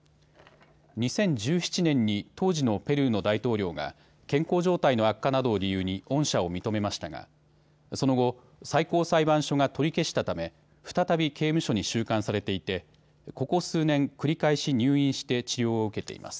２０１７年に当時のペルーの大統領が健康状態の悪化などを理由に恩赦を認めましたがその後、最高裁判所が取り消したため再び刑務所に収監されていてここ数年、繰り返し入院して治療を受けています。